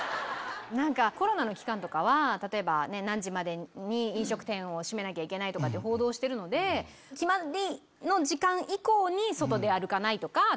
コロナの期間とかは例えば何時までに飲食店を閉めなきゃいけないって報道してるので決まりの時間以降に外出歩かないとか。